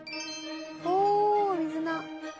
おお水菜。